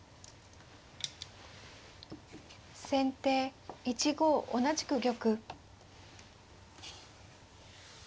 先手１五同じく玉。